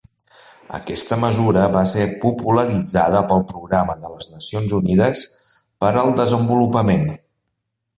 Aquesta mesura va ser popularitzada pel Programa de les Nacions Unides per al Desenvolupament.